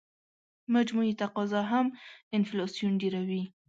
مجموعي تقاضا هم انفلاسیون ډېروي.